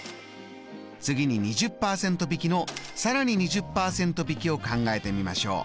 次に２０％引きのさらに２０％引きを考えてみましょう。